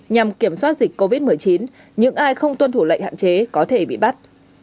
nhằm kiểm soát dịch covid một mươi chín những ai không tuân thủ lệnh hạn chế có thể bị bắt